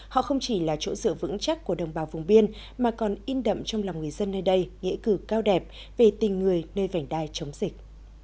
họ không chỉ là chỗ dựa vững chắc của đồng bào vùng biên mà còn in đậm trong lòng người dân nơi đây nghĩa cử cao đẹp về tình người nơi vảnh đai chống dịch